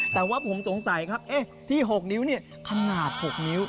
แต่ว่าผมสงสัยครับที่๖นิ้วเนี่ยขนาด๖นิ้ว